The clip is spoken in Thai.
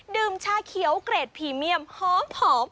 ชาเขียวเกรดพรีเมียมหอม